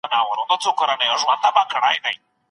د هيواد توليدي ظرفيتونو تېر کال هيڅ مثبته وده ونه کړه.